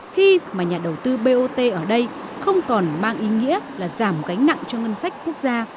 khi mà nhà đầu tư bot ở đây không còn mang ý nghĩa là giảm gánh nặng cho ngân sách quốc gia